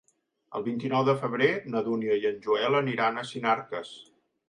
El vint-i-nou de febrer na Dúnia i en Joel aniran a Sinarques.